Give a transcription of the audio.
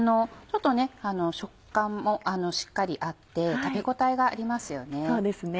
食感もしっかりあって食べ応えがありますよね。